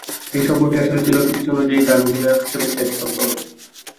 সেই সফরটি আসলে ছিল চুক্তি অনুযায়ী তাঁর অধিনায়ক হিসেবে শেষ সফরও।